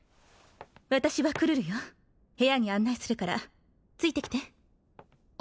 私はクルルよ部屋に案内するからついてきてあ